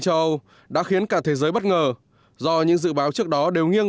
châu âu đã khiến cả thế giới bất ngờ do những dự báo trước đó đều nghiêng